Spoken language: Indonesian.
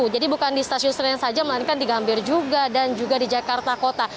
jadi bukan di stasiun serena saja malah kan di gambir juga dan juga di jakarta kota